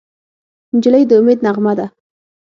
نجلۍ د امید نغمه ده.